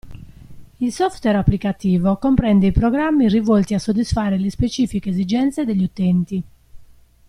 Il software applicativo comprende i programmi rivolti a soddisfare le specifiche esigenze degli utenti.